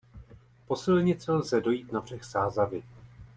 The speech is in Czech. Po silnici lze dojít na břeh Sázavy.